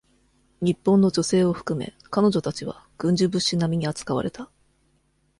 日本の女性を含め、彼女たちは、軍需物資なみに扱われた。